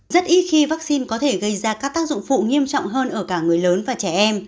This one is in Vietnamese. rất ít khi vaccine có thể gây ra các tác dụng phụ nghiêm trọng hơn ở cả người lớn và trẻ em